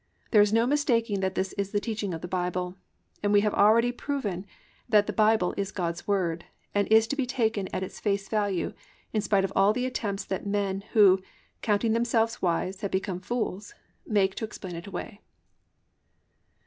There is no mistaking that this is the teaching of the Bible, and we have already proven that the Bible is God's Word, and is to be taken at its face value in spite of all the attempts that men, who "counting themselves wise, have become fools," make to explain it away.